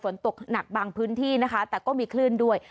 ฝนตกหนักบางพื้นที่นะคะแต่ก็มีคลื่นด้วย